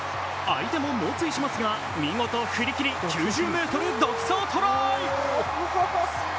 相手も猛追しますが、見事振り切り９０ｍ独走トライ！